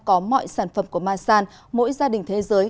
có mọi sản phẩm của masan mỗi gia đình thế giới